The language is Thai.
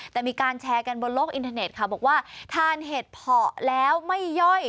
แต่มีการแชร์กันบนโลกอินเทอร์เน็ตค่ะบอกว่าทานเห็ดเพาะแล้วไม่ย่อย